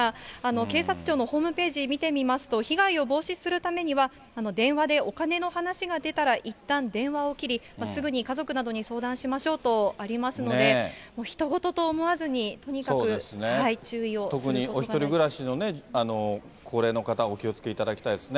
警察庁のホームページ見てみますと、被害を防止するためには、電話でお金の話が出たら、いったん電話を切り、すぐに家族などに相談しましょうとありますので、ひと事と思わずに、特にお１人暮らしの高齢の方、お気をつけいただきたいですね。